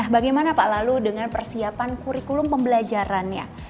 bagaimana pak lalu dengan persiapan kurikulum pembelajarannya